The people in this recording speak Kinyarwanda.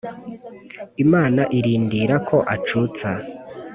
Imana irindira ko acutsa